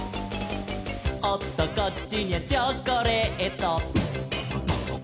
「おっとこっちにゃチョコレート」